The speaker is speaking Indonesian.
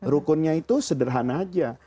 rukunnya itu sederhana saja